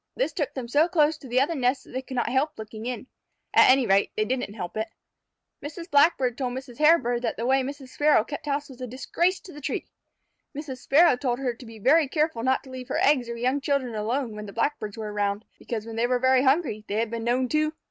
This took them so close to the other nests that they could not help looking in. At any rate, they didn't help it. Mrs. Blackbird told Mrs. Hairbird that the way Mrs. Sparrow kept house was a disgrace to the tree. Mrs. Sparrow told her to be very careful not to leave her eggs or young children alone when the Blackbirds were around, because when they were very hungry they had been known to